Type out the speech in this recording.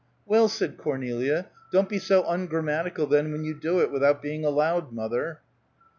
"Well," said Cornelia, "don't be so ungrammatical, then, when you do it without being allowed, mother."